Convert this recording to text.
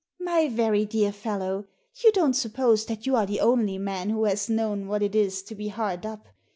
"My very dear fellow, you don't suppose that you are the only man who has known what it is to be hard up.